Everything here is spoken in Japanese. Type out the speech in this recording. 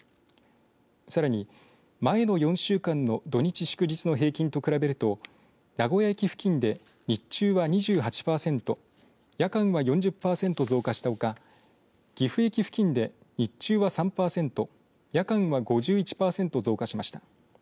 さらに前の４週間の土日祝日の平均と比べると名古屋駅付近で日中は、２８パーセント夜間は４０パーセント増加したほか岐阜駅付近で日中は３パーセント夜間は５１パーセント増加しました。